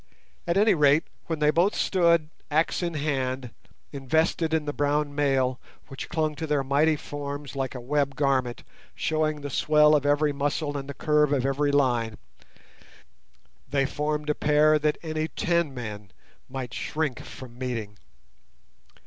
At any rate, when they both stood, axe in hand, invested in the brown mail, which clung to their mighty forms like a web garment, showing the swell of every muscle and the curve of every line, they formed a pair that any ten men might shrink from meeting.